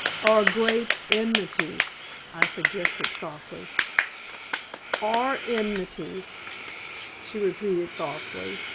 "Or great enmities," I suggested, softly. "Or enmities," she repeated, thoughtfully.